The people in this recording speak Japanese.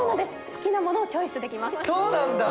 好きなものをチョイスできますそうなんだ